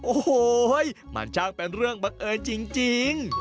โอ้โหมันช่างเป็นเรื่องบังเอิญจริง